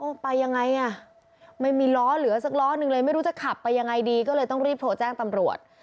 ไปยังไงอ่ะไม่มีล้อเหลือสักล้อนึงเลยไม่รู้จะขับไปยังไงดีก็เลยต้องรีบโทรแจ้งตำรวจ